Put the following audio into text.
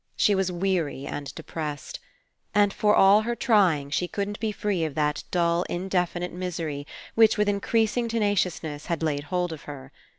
She was weary and depressed. And for all her trying, she couldn't be free of that dull, indefinite misery which with increasing tenaciousness had laid hold of her.